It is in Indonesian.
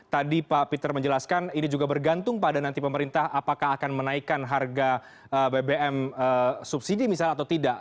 tadi pak peter menjelaskan ini juga bergantung pada nanti pemerintah apakah akan menaikkan harga bbm subsidi misalnya atau tidak